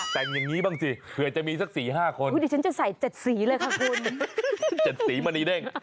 แต่งอย่างนี้บ้างสิเผื่อจะมีสัก๔๕คนดิฉันจะใส่๗สีเลยค่ะคุณ๗สีมณีเด้ง